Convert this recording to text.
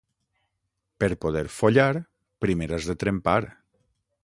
Per poder follar, primer has de trempar.